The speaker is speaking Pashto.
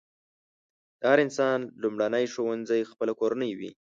د هر انسان لومړنی ښوونځی خپله کورنۍ وي.